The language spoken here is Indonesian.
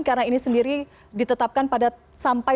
karena ini sendiri ditetapkan pada sampai